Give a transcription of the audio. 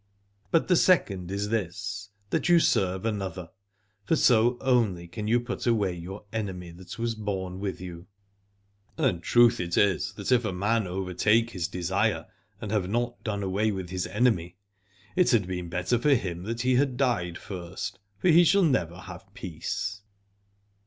But the second is this, that you serve another, for so only can you put away your enemy that was born with you. And truth it is that if a man overtake his desire and have 47 Aladore not done away his enemy, it had been better for him that he had died first, for he shall never have peace.